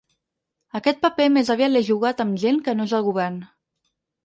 Aquest paper més aviat l’he jugat amb gent que no és al govern.